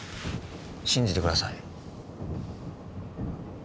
信じてください。